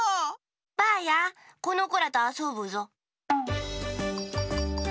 ばあやこのこらとあそぶぞ。